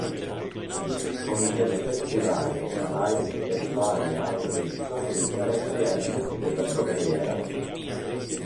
Contiene pezzi rari, b-sides e varie altre produzioni risalenti agli inizi della sua carriera.